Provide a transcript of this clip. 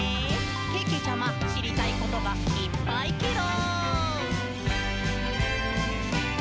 けけちゃま、しりたいことがいっぱいケロ！」